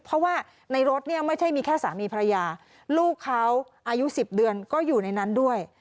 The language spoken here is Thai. เพราะว่าในรถเนี่ยไม่ใช่มีแค่สามีภรรยาลูกเขาอายุ๑๐เดือนก็อยู่ในนั้นด้วย